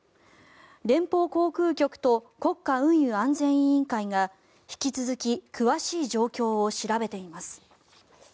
連邦航空局と国家運輸安全委員会が引き続き詳しい状況を調べています。